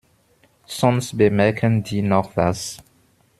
Sonst bemerken die noch was.